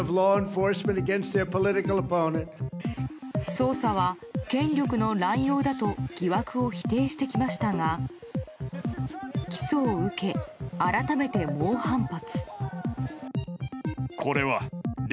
捜査は権力の乱用だと疑惑を否定してきましたが起訴を受け、改めて猛反発。